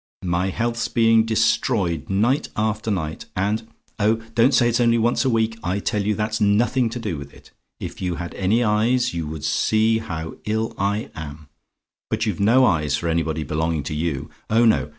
"My health's being destroyed night after night, and oh, don't say it's only once a week; I tell you that's nothing to do with it if you had any eyes, you would see how ill I am; but you've no eyes for anybody belonging to you: oh no!